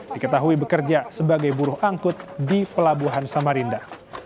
diketahui bekerja sebagai buruh angkut di pelabuhan samarinda